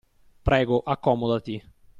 Prego, accomodati.